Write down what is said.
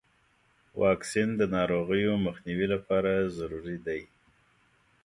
واکسین د ناروغیو مخنیوي لپاره ضروري دی.